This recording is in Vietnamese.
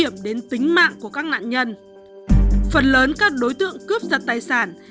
phần lớn các đối tượng cướp giật tài sản